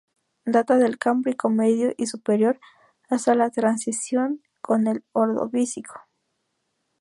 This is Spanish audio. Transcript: Data del Cámbrico medio y superior, hasta la transición con el Ordovícico.